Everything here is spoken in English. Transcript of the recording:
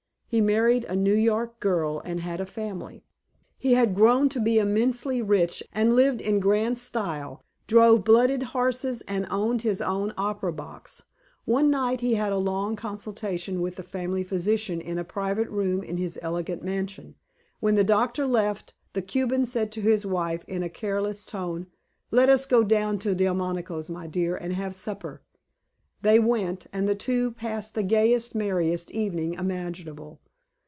He married a New York girl and had a family. He had grown to be immensely rich, and lived in grand style, drove blooded horses, and owned his own opera box. One night he had a long consultation with the family physician in a private room in his elegant mansion. When the doctor left, the Cuban said to his wife in a careless tone: 'Let us go down to Delmonico's, my dear, and have supper.' They went, and the two passed the gayest, merriest evening imaginable.